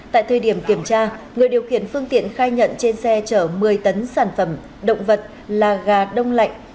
tại thời điểm kiểm tra người điều khiển phương tiện khai nhận trên xe chở một mươi tấn sản phẩm động vật là gà đông lạnh